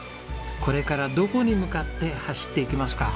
これからどこに向かって走っていきますか？